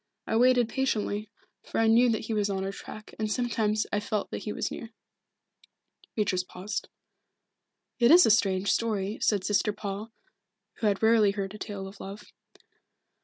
I waited patiently, for I knew that he was on our track, and sometimes I felt that he was near." Beatrice paused. "It is a strange story," said Sister Paul, who had rarely heard a tale of love.